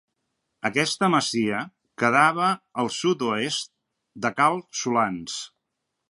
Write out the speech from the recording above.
Aquesta masia quedava al sud-oest de Cal Solans.